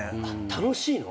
楽しいの？